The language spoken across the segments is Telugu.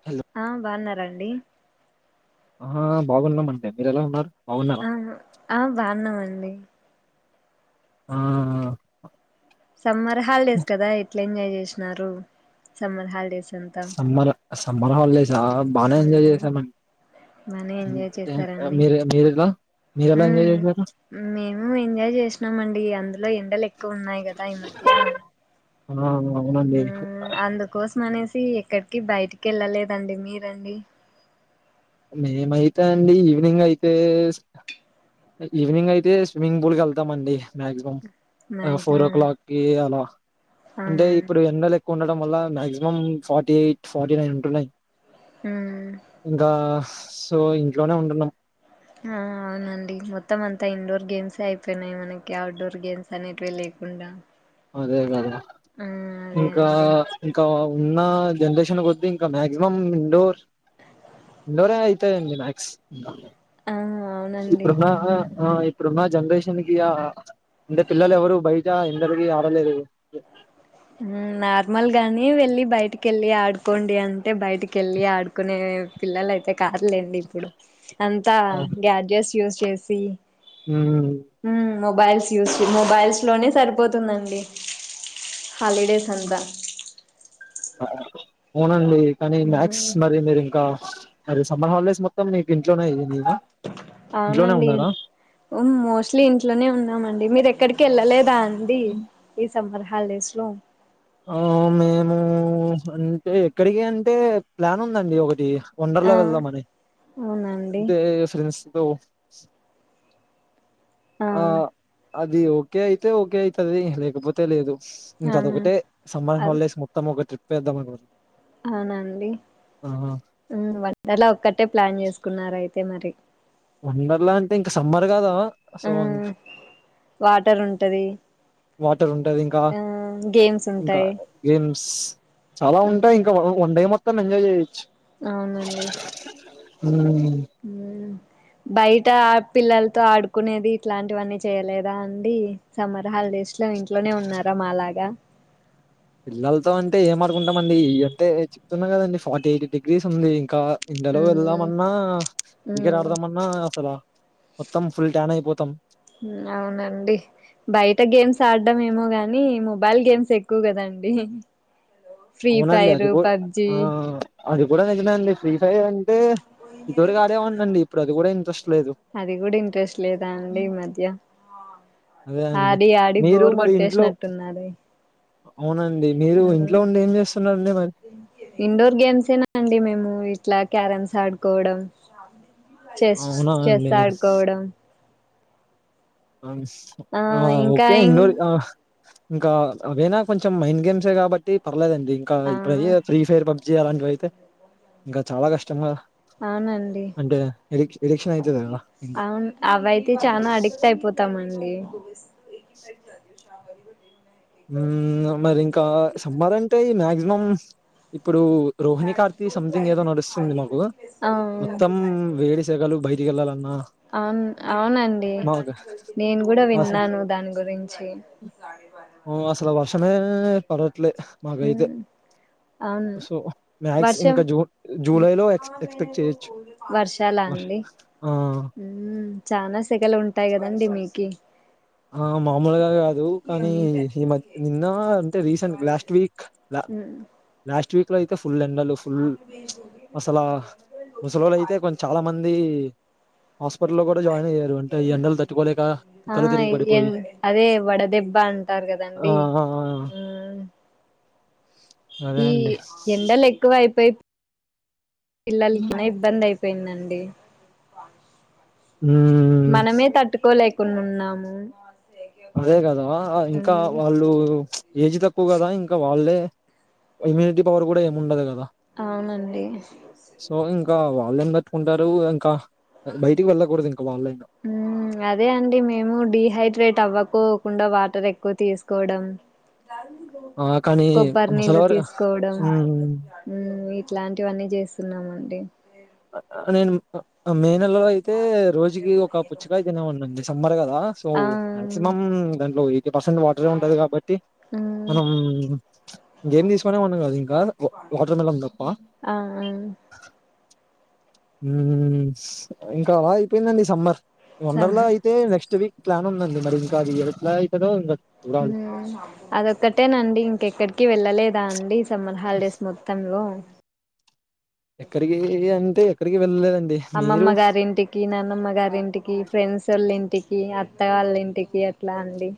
హలో ఆ బాగున్నారా అండి ఆ బాగున్నామండి మీరెలా ఉన్నారు బాగున్నారా ఆ ఆ బాగున్నామండి ఆ సమ్మర్ హాలిడేస్ కదా ఎట్లా ఎంజాయ్ చేసిన్నారు సమ్మర్ హాలిడేస్ అం సమ్మర్ సమ్మర్ హాలిడేసా బానే ఎంజాయ్ అవును చేశానండి బానే ఎంజాయ్ అంటే చేసారండి మీరెలా మీరెలా ఉమ్ ఎంజాయ్ చేసారు మేము ఎంజాయ్ చేసినాం అండి అందులో ఎండలు ఎక్కువ ఉన్నాయి కదా ఈ మధ్య ఆ అవును అందుకోసం అనేసి ఎక్కడికి బయటికి యెళ్ళలేదండి మీరండి మేమైతే అండి ఈవినింగ్ అయితే ఈవినింగ్ అయితే స్విమ్మింగ్ పూల్ కి వెళ్తామండి మక్సిమం ఫోర్ ఓ మాక్సిమం క్లాక్ కి అలా అంటే అవునా ఇప్పుడు ఎండలు ఉండడం వల్ల maximum forty eight forty nine ఉంటున్నాయ్ హ్మ్ ఇంకా సో ఇంట్లోనే ఉంటున్నాం ఆ అవునండి మొత్తం అంతా ఇండోర్ గేమ్సే అయిపోన్నయ్ మనకి అవుట్డోర్ గేమ్స్ అనేటివి లేకుండా అదే కదా ఆ అదే ఇంకా అండి ఇంకా ఉన్న జనరేషన్ కొద్ది ఇంకా మాక్సిమం ఇండోర్ ఇండోరే అయితయిండి మ్యాక్స్ ఇంకా ఆ అవునండి ఇప్పుడున్న ఆ ఇప్పుడున్న జనరేషన్ కి ఆ అంటే పిల్లలు ఎవరు బయట ఇక్కడ ఎండకు తిరిగి ఆకలి లేదు ఉమ్ నార్మల్ గాని వెళ్ళి బయటికి వెళ్ళి ఆడుకోండి అంటే బయటికి వెళ్ళి ఆడుకో కునే పిల్లలు అయితే కాదు లేండి ఇప్పుడు అంతా గ్యాడ్జెట్స్ యూస్ చేసి హమ్ ఉమ్ మొబైల్స్ యూస్ మొబైల్స్ లోనే సరిపోతుందండి హాలిడేస్ అంతా అవునండి కానీ మ్యాథ్స్ మ్మ్ మరి మీరు ఇంకా అరే సమ్మర్ హాలిడేస్ మొత్తం నీకు ఇంట్లోనే అయింది ఆ అవునండి మోస్ట్లీ ఇంట్లోనే ఉన్నామండి మీరు ఎక్కడికి వెళ్ళలేదా అండి ఈ సమ్మర్ హాలిడేస్ లో ఆ మేము అంటే ఎక్కడికి అంటే ప్లాన్ ఉందండి ఒకటి వండర్లా ఆ వెళ్దామని అవునండి అంటే ఫ్రెండ్స్ తో ఆ అది ఓకే అయితే ఓకే అయితుంది లేకపోతే లేదు ఇంకా అవునా అదొక్కటే సమ్మర్ అదే హాలిడేస్ మొత్తం ఒక ట్రిప్ వేద్దామ అనుకో అవునండి వండర్లా ఒక్కటే ప్లాన్ చేసుకున్నారు అయితే మరి వండర్ లా అంటే ఇంకా సమ్మర్ కదా సో ఆ ఇంకా వాటర్ ఉంటది వాటర్ ఉంటది ఇంకా ఆ గేమ్స్ ఇంకా ఉంటాయి గేమ్స్ చాలా ఉంటాయి ఇంకా వన్ డే మొత్తం ఎంజాయ్ చేయొచ్చు అవునండి హమ్ ఉమ్ బయట పిల్లలతో ఆడుకునేది ఇట్లాంటివన్నీ చేయలేదా అండి సమ్మర్ హాలిడేస్ ఇట్లా ఇంట్లోనే ఉన్నారా మా లాగా పిల్లలతో అంటే ఏం అడుకుంటామ అండి అంటే చెప్తున్నా కదండి ఫార్టీ ఎయిటీ డిగ్రీస్ ఉంది ఇంకా ఎండలో హ్మ్. వెళ్దామన్నా క్రికెట్ హ్మ్. ఆడదామన్నా అసలు మొత్తం ఫుల్ ట్యాన్ అయిపోతాం అవునండి బయట గేమ్స్ ఆడడం ఏమో గాని మొబైల్ గేమ్స్ ఎక్కువ కదండి ఫ్రీ అవునండి ఫైర్ అది కూడా పబ్జి ఆ అది కూడా నిజమేనండి ఫ్రీ ఫైర్ అంటే ఇదివరకు ఆడే వాడిని అండి ఇప్పుడు అది కూడా ఇంట్రెస్ట్ లేదు అది కూడా ఇంట్రెస్ట్ లేదా అండి ఈ మధ్య అదే అండి ఆడి ఆడి మీరు బోరు మరి ఇంట్లో కొట్టేసినట్టున్నాది అవునండి మీరు ఇంట్లో ఉండి ఏం చేస్తున్నారండి మరి ఇండోర్ గేమ్స్ ఏనా అండి మేము ఇట్లా క్యారమ్స్ ఆడుకోవడం చెస్ అవునా అండి చెస్ ఆడుకోవడం అను ఆ ఇంకా ఓకే ఇండోర్ ఆ ఇంకా అవైనా కొంచెం మైండ్ గేమ్స్ ఏ కాబట్టి పర్లేదండి ఇంకా ఆ ఇప్పుడు అయ్యే ఫ్రీ ఫైర్ పబ్జి అలాంటివి అయితే ఇంకా చాలా కష్టం అవునండి అంటే ఎలక్ష ఎలక్షన్ అయితది కదరా ఇంకా అవ్వయితే చానా అడిక్ట్ అయిపోతామండి. ఉ మరి ఇంకా సమ్మర్ అంటే మ్యాక్సిమం ఇప్పుడు రోహిణి కార్తి సంథింగ్ ఏదో నడుస్తుంది మాకు ఆ మొత్తం వేడి సెగలు బయటికి ఎళ్ళాలన్నా అవును అవునండి నేను కూడా అస విన్నాను దాని గురించి. ఆ అస్సలు వర్షాలే పడట్లే. ఉ మాకైతే సో మ్యాక్స్ వర్షం ఇంకా జూన్ జూలై లో ఎక్స్ ఎక్స్పెక్ట్ చేయ్యొచ్చు. వర్షాల అండి చానా సెగలు ఉంటాయి కదండి మీకి. ఆ మామూలుగా కాదు కానీ ఈ మధ్ నిన్నా అంటే రీసెంట్ లాస్ట్ వీక్ లా ఉమ్, లాస్ట్ వీక్లో అయితే ఫుల్ ఎండలు. ఫుల్ అసలా ముసలోల్లు అయితే కొం చాలా మంది హాస్పిటల్లో కూడా జాయిన్ అయ్యారు అంటే ఈ ఎండలు తట్టుకోలేక కళ్ళు తిరిగి ఏం పడిపోయి అదే వడదెబ్బ అంటారు ఆ కదండి. ఆ ఆ, అదే ఈ అండి ఎండల ఎక్కువ అయిపోయి పిల్లలకిన్నా ఇబ్బంది అయిపోయిందండి. హ్ మనమే తట్టుకోలేకుండా ఉన్నాము. అదే కదా ఇంకా వాళ్ళు ఏజ్ తక్కువ కదా ఇంకా వాళ్ళే ఇమ్యూనిటీ పవర్ కూడా ఏము ఉండదు కదా. అవునండి. సో ఇంకా వాళ్ళేం తట్టుకుంటారు ఇంకా బయటికి వెళ్ళకూడదు ఇంకా వాళ్ళైనా. ఉ అదే అండి మేము డిహైడ్రేట్ అవ్వుకోకుండా వాటర్ ఎక్కువ తీసుకోవడం, ఆ కానీ కొబ్బరి నీళ్ళు ముసలివారు తీసుకోవడం ఉమ్ ఇట్లాంటివన్నీ చేస్తున్నామండి. నేను మే నెలలో అయితే రోజుకి ఒక పుచ్చకాయ తినేవాన్ని అండి సమ్మర్ కదా. సో ఆ మ్యాక్సిమం దాంట్లో ఎయిటీ పర్సెంట్ వాటరే ఉంటది కాబట్టి ఉమ్, మనం ఇంగేం తీసుకునేవాన్ని కాదు ఇంకా వా వాటర్ మెలన్ తప్ప. ఆ ఇంకా అయిపోయిందండి సమ్మర్ స- వండర్లా అయి అయితే నెక్స్ట్ వీక్ ప్లాన్ ఉందడి మరి ఇంకా అది ఎట్లా అయితదో ఇంగ అదొక్కటేనండి ఇంకెక్కడికి వెళ్ళలేదా అండి సమ్మర్ హాలిడేస్ మొ త్తంలో ఎక్కడికి అంటే ఎక్కడికి వెళ్ళలేదండి. మీరు అమ్మమ్మగారి ఇంటి కి నాన్నమ్మ గారింటికి, ఫ్రెండ్స్ ఓళ్ళ ఇంటికి, అత్త వాళ్ళ ఇంటికి అట్లా అండి.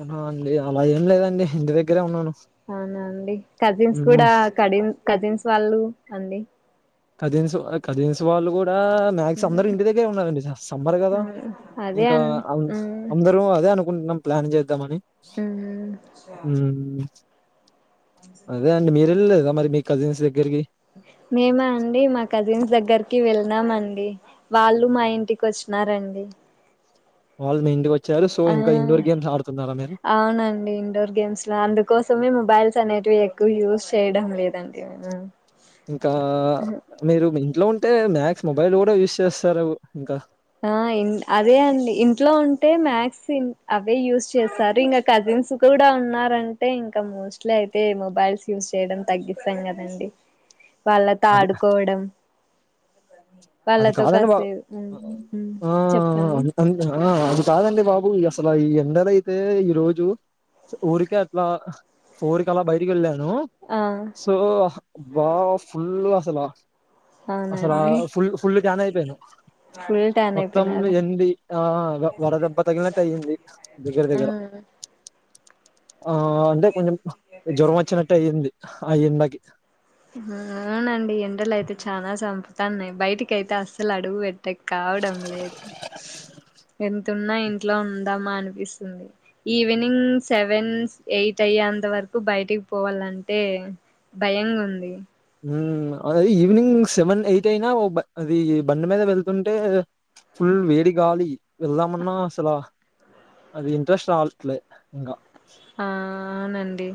అ లేదు అలా ఏం లేదండి ఇంటి దగ్గరే ఉన్నాను. అవునా అండి కజిన్స్ హ్మ్. కూడా కడిన్ కజిన్స్ వాళ్ళు అండి కజీన్స్ కజీన్స్ వాళ్ళు కూడా మ్యాక్స్ అందరూ ఇంటి దగ్గరే ఉన్నారండి సమ్మర్ ఆ! కదా అదే ఇంకా అన్ అంత్ మ్మ్ అందరూ అదే అను కుంట్నం ప్లాన్ చేద్దామని. మ్మ్ అదే అండి మీరు వెళ్ళలేదా మరి మీ కజిన్స్ దగ్గరికి. మేమా అండి మా కజిన్స్ దగ్గర కి వెల్లినా మండి వాళ్ళు మా ఇంటికి వచ్చినారండి వాళ్ళు మీ ఇంటికొచ్చారు సో ఆ ఇంకా ఇండోర్ గేమ్స్ ఆడుతున్నారా మీరు అవునండి ఇండోర్ గేమ్ స్లా అందుకోసమే మొబైల్స్ అనేవి ఎక్కువ యూజ్ చేయడం లేదండి మేము ఇంకా మీరు మీ ఇంట్లో ఉంటే మ్యాక్స్ మొబైల్ గూడ యూస్ చేస్తారు ఇంకా ఆ ఇన్ అదే అండి ఇంట్లో ఉంటే మ్యాక్స్ అవే యూజ్ చేస్తారు ఇంకా కజిన్స్ కూడ ఉన్నారంటే ఇంక మోస్ట్లీ అయితే మొబైల్స్ యూస్ చేయడం తగ్గిస్తాం కదం డి వాళ్ళతో అది ఆడుకోవడం అది వాళ్ళతో కాదండి బా కాసేపు హ్మ్ హ్మ్ అ ఆ చెప్పండి అంతుంద్ ఆ కాదండి బాబు ఇగ అసల ఈ ఎండలయితే ఈరోజు ఉడికెత్తున్నా ఫోర్ కి అలా బయటికి వెళ్ళాను ఆ సో బా ఫుళ్ళు అసల అసలా అవునండి ఫుల్ ఫుళ్ళు ట్యాన్ అయిపోయను ఫుల్ టా మొత్తం ఎంది ఆ వ వడ దెబ్బ తగిలినట్టు అయ్యింది దగ్గర దగ్గర ఉమ్ ఆ అంటే కొంచెం జ్వరం వచ్చినట్టు అయింది ఆ ఎండకి హా అవునండి ఎండలు అయితే చానా సంపుతాన్నయి బయటికియితే అస్సలు అడుగు బెట్ తె కావడం లేదు ఎంతున్నా ఇంట్లో ఉందామా అనిపిస్తుంది ఈవినింగ్ సెవెన్, ఎయిట్ అయ్యేంత వరకు బయటికి పోవాలంటే భయంగుంది హ్మ్ అదే ఈవినింగ్ సెవెన్ ఎయిట్ అయినా ఓ బ అదీ బండి మీద వెళ్తుంటే ఫుల్ వేడి గాలి వెళ్దామన్నాసలా అది ఇంట్రెస్ట్ రావట్లే ఇంగా ఆ అవునండి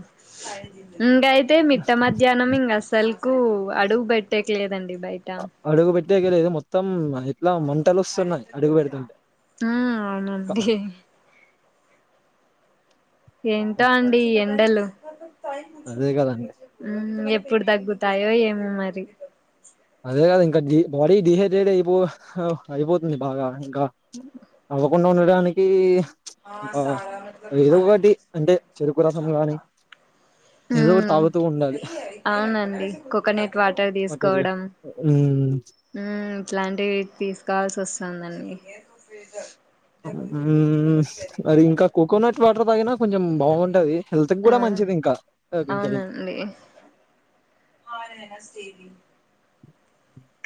ఇంగయిప్ తే మిట్ట మధ్యాహ్నం ఇంగసల్కు అడుగు బెట్టేక్ లేదండి బయట అడుగు బెట్టేకే లేదు మొత్తం ఎట్లా మన్ టలొస్తున్నాయి అడుగు పెడుతుంటే ఆ అవునండి ఏంటో అండి ఈ ఎండలు అదే కదండి ఉమ్ ఎప్పుడు తగ్గుతాయో ఏమో మరి అదే గద ఇంకా జి బాడీ డిహైడ్రేట్ అయిపో అయిపోతుంది బాగా ఇంకా ఉమ్ అవ్వకుండా ఉండడానికి ా ఇంకా సారా మల ఏదో కాా ఒకటి అంటే చెరుకు ప సబ రసం శమ గాని ఏదో ఒకటి ఉమ్ తాగుతూ ఉండాలి అవునండి కోకోనట్ వాటర్ వాటర్గా తీసుకోవడం మ్మ్ ఉమ్ ఇట్లాంటివి తీసుకోవాల్సి వస్తుందండి ఫ్రీజర్ ఉమ్ అది ఇంకా కోకోనట్ వాటర్ తాగిన కొంచెం బాగుంటది హెల్త్ గ్గుడ మంచిదింకా డి ఓ ఆర్ స్ [unintelligible]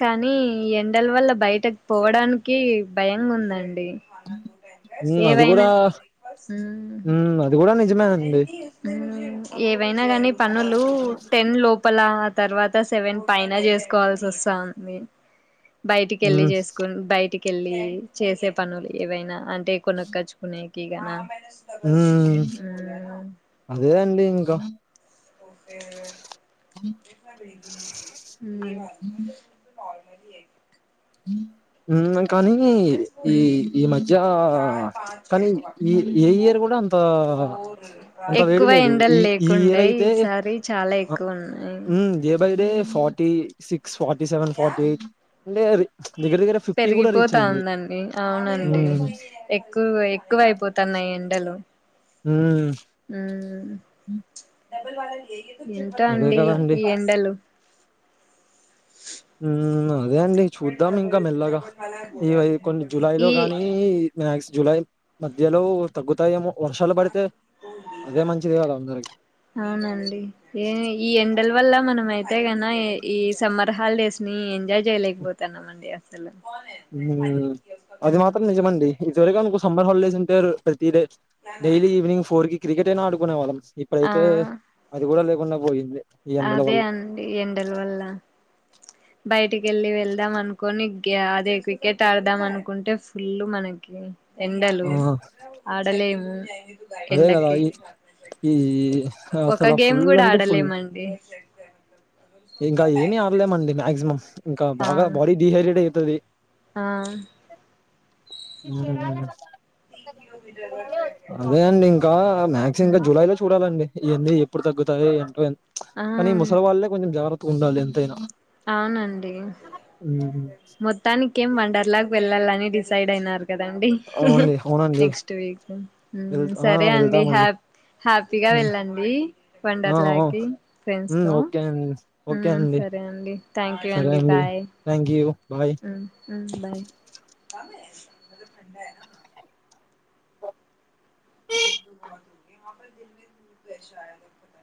కనీ ఈ ఎండల వల్ల బయటకు పోవడానికి భయంగుందండి మ్మ్ అది ఏవైనా ఇది కూడా నిజమే అండి ఎన్ని ఏవైనా కాని పనులు టెన్ లోపల ఆ తర్వాత సెవెన్ పైన చేస్త కోవలసి వస్తాంది బయటికి వెళ్ళి మ్మ్ చేసుకుని బయటికిళ్ళి చేసే పనులు ఏవైనా అంటే కొనుక్కచుకునే కే కిన ఉ అదేదండి ఇంకా ఉమ్ ఇ కానీ ఈ ఈ మధ్య కానీ ఈ ఏ ఇయర్ కూడా అంత అంత ఎక్కువ వేడిలేదు ఎండలు ఈ ఈ ఇయర్ లేకుండే అయితే ఈసారి చాలా ఎక్కువ ఉన్నాయి day by day forty six forty seven forty eight అంటే దగ్గర దగ్గర కూడా రీచ్ పెరిగిపోతా అయింది. ఉందండి అవునండి హ్మ్. ఎక్కువ ఎక్కువయిపోతున్నాయి ఎండలు మ్మ్ ఉమ్ ఎంత అదే అండి కదండీ. ఈ ఎండలు ఉ అదే అండి చూద్దాం ఇంకా మెల్లగా ఇ కొన్ని జులై లో గానీ మ్యాక్స్ జూలై మధ్యలో తగ్గుతాయేమో వర్షాలు పడితే అదే మంచిది కదా అందరికిీ అవునండి ఏ ఈ ఎండల వల్ల మనం అయితేగాన ఈ సమ్మర్ హాలిడేస్ ని ఎంజాయ్ చేయలేకపోతాం అండి అసలు ఇది త్వరగా అనుకో సమ్మర్ హాలిడేస్ అంటే ప్రతి day daily evening four cricket అయినా ఆడుకునే వాళ్ళం ఆ ఇప్పుడైతే అది కూడా లేకుండా పోయింది ఈ ఎండల అదే వల్ల. అండి ఎండల వల్ల బయటికి వెళ్ళి వెళ్దాం అనుకని గ అదే క్రికెట్ ఆడదాం అనుకుంటే ఫుల్ మనకి ఎండలు ఆ! ఆడలేము అదే కదా ఎండకి ఈ ఈ అసలా ఫుల్ అంటే ఫుల్ అండి ఇంకా ఏమి ఆడలేమండి మాక్సిమం ఇంకా ఆ బాగా బాడీ డిహైడ్రేట్ అవుతది ఆ ఉం అదే అండి ఇంకా మాక్స్ ఇంకా జులై లో చూడాలండి ఈ ఎండ ఎప్పుడు తగ్గుతాయి ఎంటో ఆ కానీ ముసలి వాళ్ళలే కొంచెం జాగ్రత్తగా ఉండాలి ఎంతైనా అవునండి ఉమ్, మొత్తానికి ఏం వండర్లాగ వెళ్ళాలని డిసైడ్ అయినారు కదండి అవునండి అవునండి నెక్స్ట్ వీక్ వెల్ ఆ సరే అండి వెళ్తామండి హ్యాపీ హ్యాపీగా ఆ వెళ్ళండి ఆ, ఓ, వండర్లాకి ఫ్రెండ్స్ ఉమ్, తో ఓకే అండి ఓకే అండి సరే అం అండి థ్యాంక్ యూ అండి bye thank you bye um um bye a [inaudible]